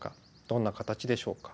どんな形でしょうか。